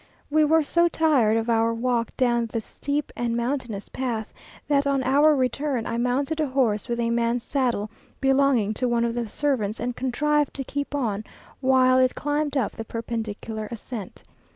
We were so tired of our walk down this steep and mountainous path, that on our return, I mounted a horse with a man's saddle, belonging to one of the servants, and contrived to keep on, while it climbed up the perpendicular ascent.